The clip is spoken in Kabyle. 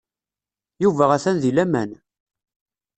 Yuba atan deg laman.